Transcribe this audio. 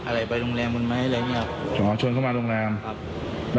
อะไรไปโรงแรมมันไหมอะไรอย่างเงี้ยอ๋อชวนเข้ามาโรงแรมครับ